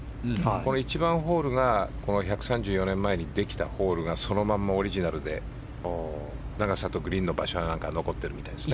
この１番ホールが１３４年前にできたホールがそのままオリジナルで長さとグリーンの場所は残ってるみたいですね。